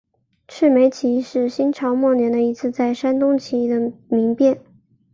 赤眉起义是新朝末年的一次在山东地区的民变。